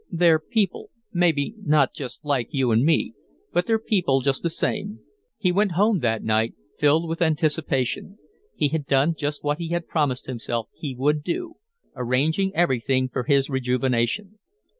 "They're people, maybe not just like you and me, but they're people just the same." He went home that night filled with anticipation. He had done just what he had promised himself he would do, arranging everything for his rejuvenation.